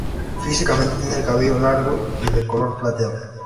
Físicamente tiene el cabello largo y de color plateado.